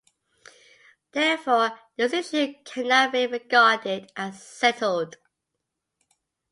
Therefore, this issue cannot be regarded as settled.